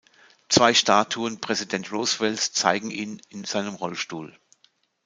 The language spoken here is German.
Zwei Statuen Präsident Roosevelts zeigen ihn in seinem Rollstuhl.